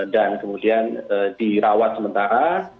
dan kemudian dirawat sementara